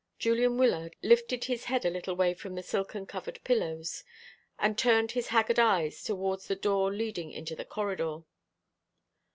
Julian Wyllard lifted his head a little way from the silken covered pillows, and turned his haggard eyes towards the door leading into the corridor.